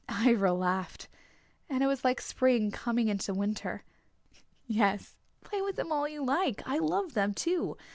Ivra laughed. And it was like spring coming into winter. "Yes, play with them all you like! I love them, too.